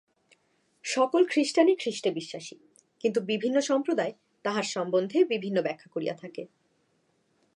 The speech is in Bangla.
সকল খ্রীষ্টানই খ্রীষ্টে বিশ্বাসী, কিন্তু বিভিন্ন সম্প্রদায় তাঁহার সম্বন্ধে বিভিন্ন ব্যাখ্যা করিয়া থাকে।